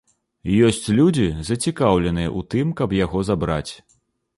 Ёсць людзі, зацікаўленыя ў тым, каб яго забраць.